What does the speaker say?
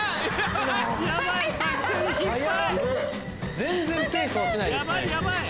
全然ペース落ちないですね。